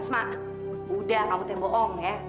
asma udah kamu tanya bohong ya